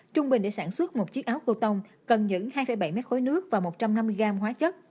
trung bình để sản xuất một chiếc áo cô tông cần giữ hai bảy mét khối nước và một trăm năm mươi gram hóa chất